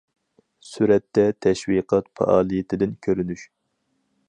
سۈرەتتە: تەشۋىقات پائالىيىتىدىن كۆرۈنۈش.